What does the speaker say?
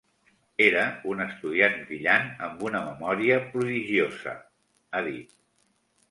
Era un estudiant brillant amb una memòria prodigiosa, ha dit.